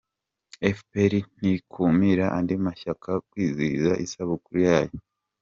Efuperi ntikumira andi mashyaka kwizihiza isabukuru yayo